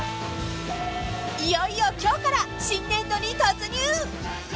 ［いよいよ今日から新年度に突入！］